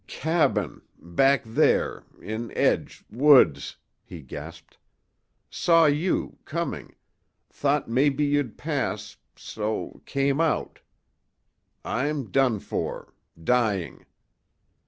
"Cabin back there in edge woods," he gasped. "Saw you coming. Thought mebbe you'd pass so came out. I'm done for dying."